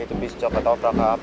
itu bisnis coba tau tau apa apa